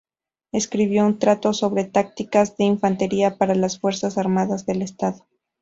Escribió un tratado sobre "Tácticas de infantería para las fuerzas armadas del Estado".